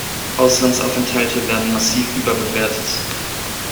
Auslandsaufenthalte werden massiv überbewertet.